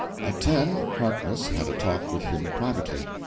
At ten Harkness had a talk with him privately.